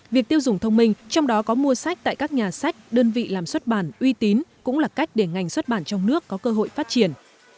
việc tiêu dùng thông minh trong đó có mua sách tại các nhà sách đơn vị làm xuất bản uy tín cũng là cách để ngành xuất bản trong nước có cơ hội phát triển